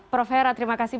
prof hera terima kasih